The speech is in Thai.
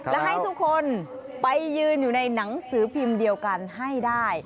และให้ทุกคนไปยืนอยู่ในหนังสือพิมพ์เดียวกันให้ได้